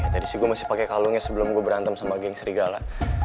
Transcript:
tadi sih gue masih pakai kalungnya sebelum gue berantem sama geng serigala